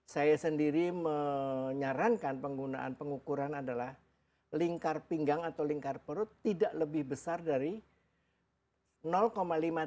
saya sendiri menyarankan penggunaan pengukuran adalah lingkar pinggang atau lingkar perut tidak lebih besar dari lima juta